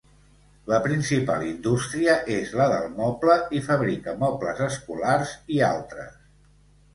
La principal indústria és la del moble i fabrica mobles escolars i altres.